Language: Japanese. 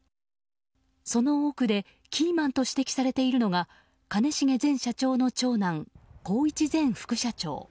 その多くでキーマンと指摘されているのが兼重前社長の長男・宏一前副社長。